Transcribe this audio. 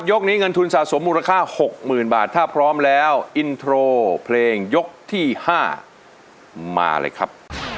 ยกนี้เงินทุนสะสมมูลค่า๖๐๐๐บาทถ้าพร้อมแล้วอินโทรเพลงยกที่๕มาเลยครับ